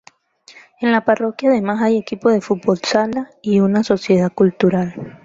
En la parroquia además hay equipo de fútbol sala y una sociedad cultural.